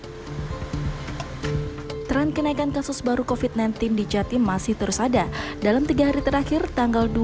hai terang kenaikan kasus baru kofit sembilan belas di jatim masih terus ada dalam tiga hari terakhir tanggal